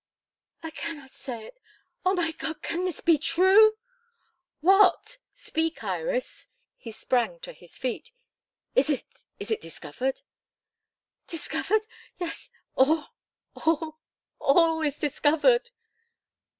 "I cannot say it. Oh, my God! can this be true?" "What? Speak, Iris." He sprang to his feet. "Is it is it discovered?" "Discovered? Yes, all all all is discovered!"